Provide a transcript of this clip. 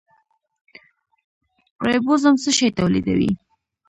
رایبوزوم څه شی تولیدوي؟